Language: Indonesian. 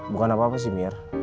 bukan apa apa sih mir